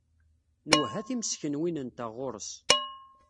Nwehha timeskenwin-nteɣ ɣur-s.